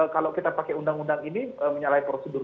kalau kita pakai undang undang ini menyalahi prosedur